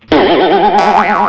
aduh aduh aduh